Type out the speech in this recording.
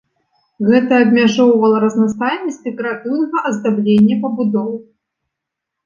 Гэта абмяжоўвала разнастайнасць дэкаратыўнага аздаблення пабудоў.